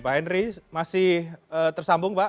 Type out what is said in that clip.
pak henry masih tersambung pak